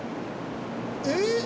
えっ！